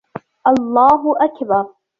الله أكبر!